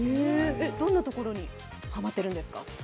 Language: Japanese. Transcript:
どんなところにハマってるんですか？